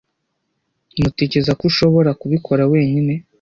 Mutekereza ko ushobora kubikora wenyine?